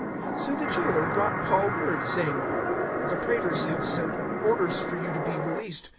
016:036 So the jailer brought Paul word, saying, "The praetors have sent orders for you to be released.